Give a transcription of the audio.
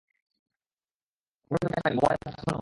বউ মানে শুধু ফ্রেঞ্চ ফ্রাই নয়, বউ মানে মাখনও!